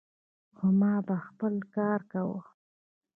خو ما به خپل کار کاوه.